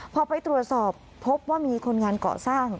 พอไปตรวจสอบพบว่ามีคนงานเกาะสร้าง